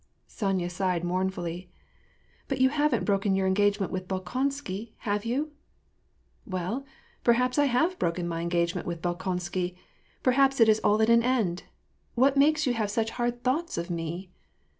Sonya sighed mournfully, —" But you haven't broken your engagement with Bolkonsky, have you ?"" Well, perhaps I have broken my engagpment with Bolkon sky ! Perhaps it is all at an end ! What makes you have such hard thoughts of me